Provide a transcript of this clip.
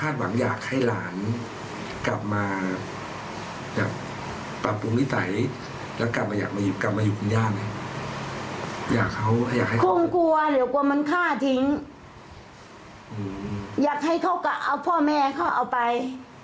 ต้องกลัวเดี๋ยวกลัวมันฆ่าทิ้งอยากให้เขากลับเอาพ่อแม่เขาเอาไป